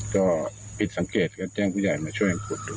ก็ผิดสังเกตก็แจ้งผู้ใหญ่มาช่วยกันขุดดู